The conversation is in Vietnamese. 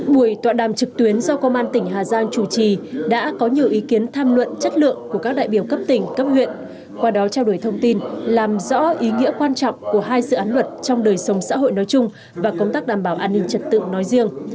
buổi tọa đàm trực tuyến do công an tỉnh hà giang chủ trì đã có nhiều ý kiến tham luận chất lượng của các đại biểu cấp tỉnh cấp huyện qua đó trao đổi thông tin làm rõ ý nghĩa quan trọng của hai dự án luật trong đời sống xã hội nói chung và công tác đảm bảo an ninh trật tự nói riêng